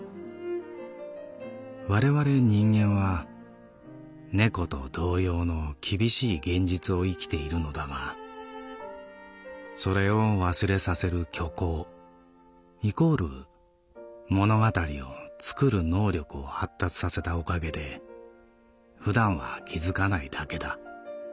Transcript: われわれ人間は猫と同様の厳しい現実を生きているのだがそれを忘れさせる虚構＝物語を創る能力を発達させたおかげで普段は気づかないだけだ。